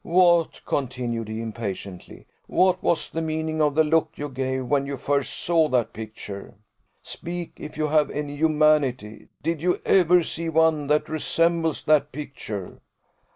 "What," continued he impatiently, "what was the meaning of the look you gave, when you first saw that picture? Speak, if you have any humanity! Did you ever see any one that resembles that picture?"